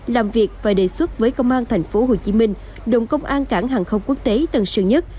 làm việc và đề xuất với công an tp hcm đồng công an cảng hàng không quốc tế tân sơn nhất